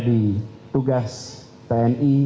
di tugas tni